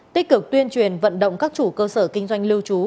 tích cực tuyên truyền vận động các chủ cơ sở kinh doanh lưu trú